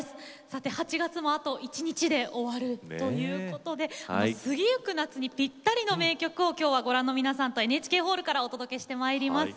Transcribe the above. さて８月もあと１日で終わるということで過ぎゆく夏にぴったりの名曲を今日はご覧の皆さんとＮＨＫホールからお届けしてまいります。